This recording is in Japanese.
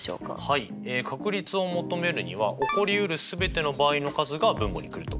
はい確率を求めるには起こりうる全ての場合の数が分母に来ると。